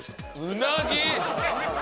うなぎ！？